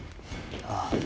ああ。